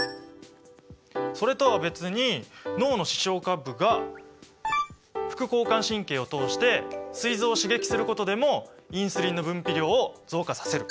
それとは別に脳の視床下部が副交感神経を通してすい臓を刺激することでもインスリンの分泌量を増加させる。